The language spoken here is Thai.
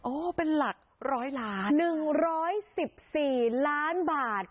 โอ้เป็นหลักร้อยล้านหนึ่งร้อยสิบสี่ล้านบาท